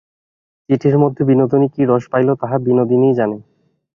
চিঠির মধ্যে বিনোদিনী কী রস পাইল, তাহা বিনোদিনীই জানে।